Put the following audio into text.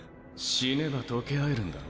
死ねば溶け合えるんだろ？